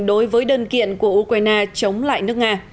đối với đơn kiện của ukraine chống lại nước nga